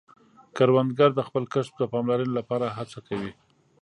کروندګر د خپل کښت د پاملرنې له پاره هڅه کوي